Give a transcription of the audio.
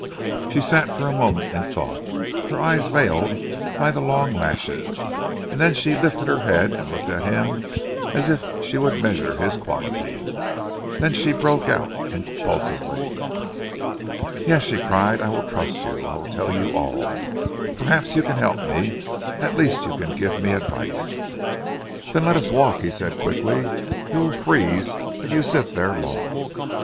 She sat for a moment in thought, her eyes veiled by the long lashes, then she lifted her head and looked at him as if she would measure his quality. Then she broke, out impulsively. "Yes," she cried, "I will trust you, I will tell you all. Perhaps you can help me, at least you can give me advice." "Then let us walk," he said quickly. "You will freeze if you sit there long."